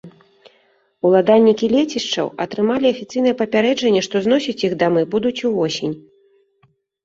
Уладальнікі лецішчаў атрымалі афіцыйнае папярэджанне, што зносіць іх дамы будуць увосень.